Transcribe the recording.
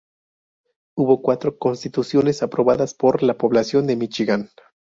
Hubo cuatro constituciones aprobadas por la población de Míchigan.